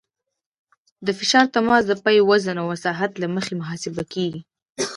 د فشار تماس د پایې د وزن او مساحت له مخې محاسبه کیږي